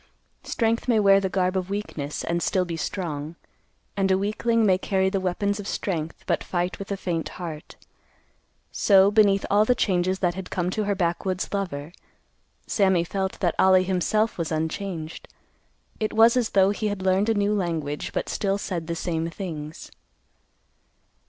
Strength may wear the garb of weakness, and still be strong; and a weakling may carry the weapons of strength, but fight with a faint heart. So, beneath all the changes that had come to her backwoods lover, Sammy felt that Ollie himself was unchanged. It was as though he had learned a new language, but still said the same things.